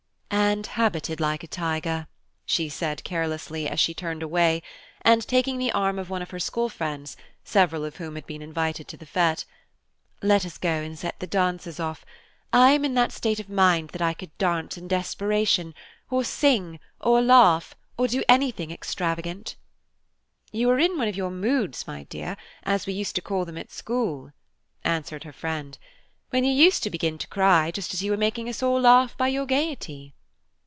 "And habited like a tiger," she said carelessly, as she turned away; and taking the arm of one of her school friends, several of whom had been invited to the fête, "Let us go and set the dancers off. I am in that state of mind that I could dance in desperation, or sing, or laugh, or do anything extravagant." "You are in one of your moods, my dear, as we used to call them at school," answered her friend, "when you used to begin to cry just as you were making us all laugh by your gaiety."